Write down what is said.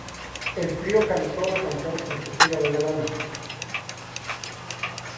El trío cantó la canción en su gira de verano.